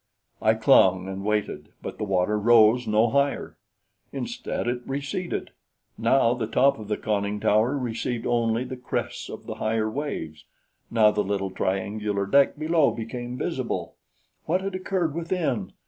I clung and waited, but the water rose no higher. Instead it receded. Now the top of the conning tower received only the crests of the higher waves; now the little triangular deck below became visible! What had occurred within?